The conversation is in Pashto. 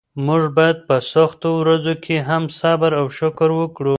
موږ باید په سختو ورځو کې هم صبر او شکر وکړو.